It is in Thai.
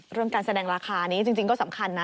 เรื่องการแสดงราคานี้จริงก็สำคัญนะ